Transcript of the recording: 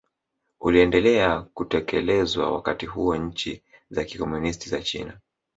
uliendelea kutekelezwa Wakati huo nchi za kikomunisti za China